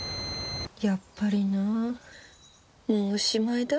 やっぱりなもうおしまいだ。